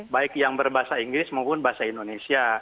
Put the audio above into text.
baik yang berbahasa inggris maupun bahasa indonesia